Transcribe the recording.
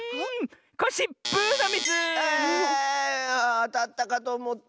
あたったかとおもった。